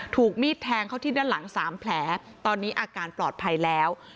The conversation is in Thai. ถูกมีดแทงเข้าที่ด้านหลัง๓แผลตอนนี้อาการปลอดภัยแล้ว